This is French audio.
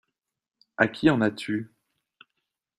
À qui en as-tu ?…